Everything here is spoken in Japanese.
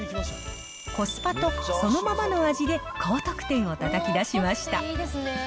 コスパとそのままの味で高得点をたたき出しました。